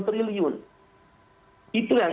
triliun itu yang